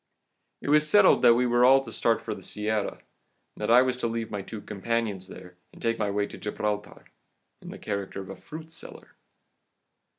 "It was settled that we were all to start for the Sierra, that I was to leave my two companions there, and take my way to Gibraltar, in the character of a fruit seller.